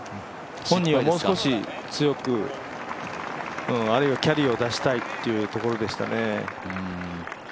本人はもう少し強く、あるいはキャリーを出したいというところでしたね。